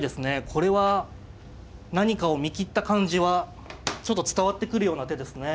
これは何かを見切った感じはちょっと伝わってくるような手ですね。